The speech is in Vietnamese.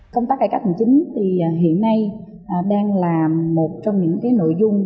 công tác cải cách hành chính thì hiện nay đang là một trong những nội dung